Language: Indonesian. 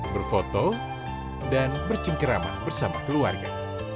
berfoto dan bercengkerama bersama keluarga